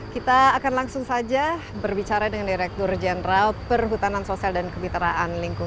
kita akan langsung saja berbicara dengan direktur jeneral perhutanan sosial dan kebitaraan